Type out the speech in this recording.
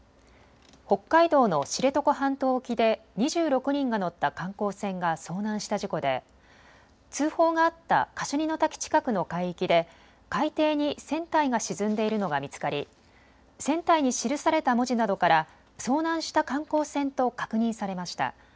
北海道の知床半島沖で２６人が乗った観光船が遭難した事故で通報があったカシュニの滝近くの海域で海底に船体が沈んでいるのが見つかり船体に記された文字などから遭難した観光船と確認されました。